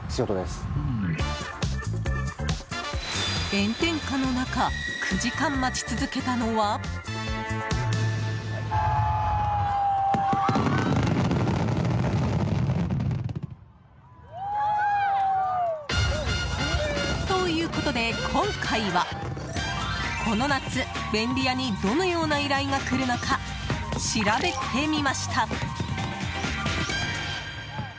炎天下の中９時間待ち続けたのは。ということで今回はこの夏、便利屋にどのような依頼が来るのか調べてみました。